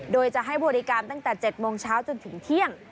โดยจะให้บริการตั้งแต่๗โมงเช้าจนถึงเที่ยง